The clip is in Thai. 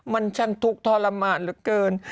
มันฉันทุกข์ทรมานเหลือเกิน